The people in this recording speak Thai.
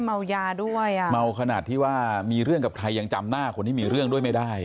โอ้โห